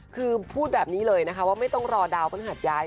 คือพูดแบบนี้เลยนะคะว่าไม่ต้องรอดาวพฤหัสย้าย